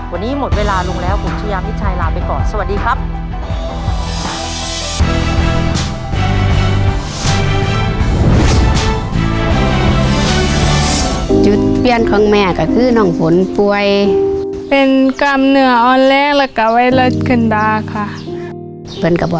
วันนี้หมดเวลาลงแล้วผมชายามิชัยลาไปก่อนสวัสดีครับ